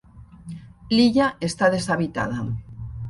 L'illa està deshabitada.